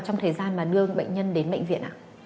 trong thời gian mà đưa bệnh nhân đến bệnh viện ạ